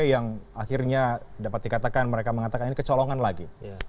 yang akhirnya dapat dikatakan mereka mengatakan ini kecolongan lagi